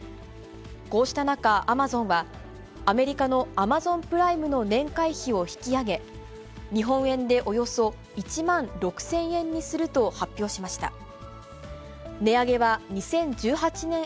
こうした中、アマゾンは、アメリカのアマゾンプライムの年会費を引き上げ、日本円でおよそ１万６０００円にすると発表しました。